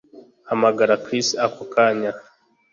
Hamagara Chris ako kanya